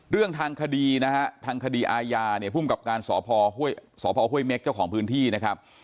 เรื่องทางคดีนะฮะทางคดีอาญาเนี่ยภูมิกับการสพสพห้วยเม็กเจ้าของพื้นที่นะครับ